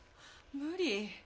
無理。